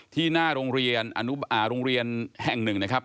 ที่หน้าโรงเรียนแห่งหนึ่งนะครับ